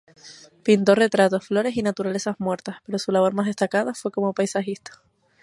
Pintó retratos, flores y naturalezas muertas, pero su labor más destacada fue como paisajista.